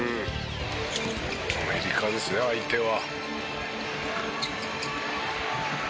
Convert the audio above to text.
「アメリカですよ相手は」